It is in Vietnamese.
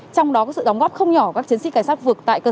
trong đó có sự đóng góp không nhỏ của các chiến sĩ cảnh sát vực tại cơ sở